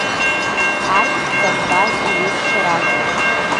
Арҭ Кавказ иҩызцәа ракәын.